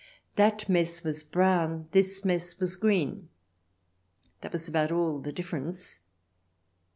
That mess was brown ; this mess was green — that was about all the difference.